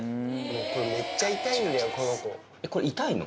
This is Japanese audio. これ、めっちゃ痛いんだよ、これ、痛いの？